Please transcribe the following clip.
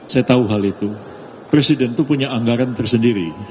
saya tahu hal itu presiden itu punya anggaran tersendiri